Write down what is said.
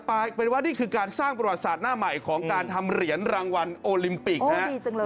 กลายเป็นว่านี่คือการสร้างประวัติศาสตร์หน้าใหม่ของการทำเหรียญรางวัลโอลิมปิกนะฮะ